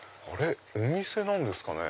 お店なんですかね？